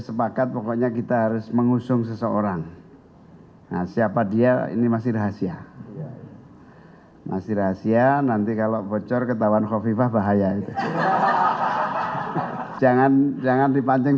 menurutnya hal itu merupakan hak setiap partai politik